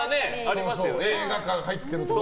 映画館入ってるとか。